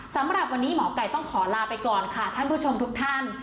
สำหรับวันนี้หมอไก่ต้องขอลาไปก่อนค่ะท่านผู้ชมทุกท่าน